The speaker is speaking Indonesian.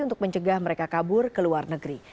untuk mencegah mereka kabur ke luar negeri